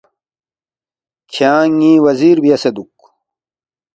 کھیانگ ن٘ی وزیر بیاسے دُوک